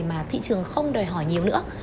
mà thị trường không đòi hỏi nhiều nữa